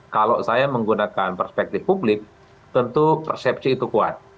kalau saya menggunakan perspektif publik tentu persepsi itu kuat